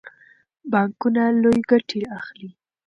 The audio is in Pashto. بانکونه لویې ګټې اخلي.